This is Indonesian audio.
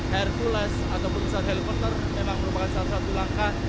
airfuless atau perusahaan helikopter memang merupakan salah satu langkah